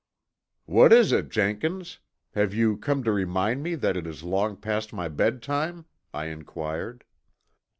"What is it, Jenkins? Have you come to remind me that it is long past my bed time?" I inquired.